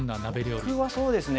僕はそうですね